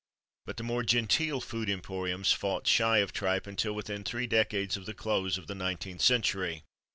But the more genteel food emporiums fought shy of tripe until within three decades of the close of the nineteenth century.